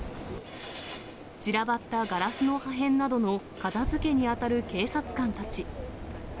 散らばったガラスの破片などの片づけに当たる警察官たち。